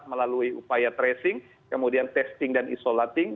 melalui upaya tracing kemudian testing dan isolating